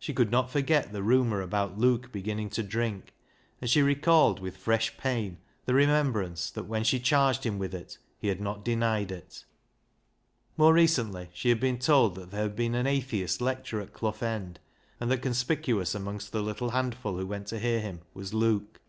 She could not forget the rumour about Luke beginning to drink, and she recalled with fresh pain the remembrance that when she charged him with it he had not denied it. More recently she had been told that there had been an atheist lecturer at Clough End, and that conspicuous amongst the little handful who went to hear him was Luke.